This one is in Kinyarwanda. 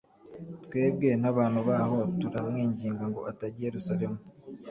twebwe n’abantu b’aho turamwinginga ngo atajya i Yerusalemu.”